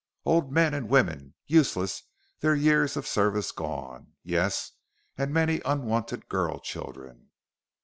Old men and women, useless, their years of service gone. Yes, and many unwanted girl children....